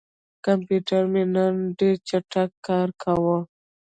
کمپیوټر مې نن ډېر چټک کار کاوه.